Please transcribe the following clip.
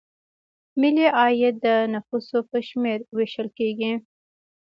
ملي عاید د نفوسو په شمېر ویشل کیږي.